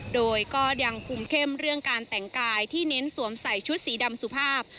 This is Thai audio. โดยก็ยังคุมเข้มเรื่องการแต่งกายที่เน้นสวมใส่ชุดสีดำสุภาพ